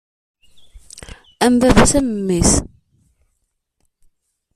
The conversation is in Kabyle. Am baba-s, am memmi-s.